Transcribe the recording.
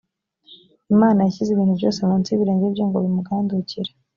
imana yashyize ibintu byose munsi y’ibirenge bye ngo bimugandukire